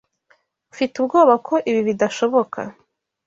Mfite ubwoba ko ibi bidashoboka.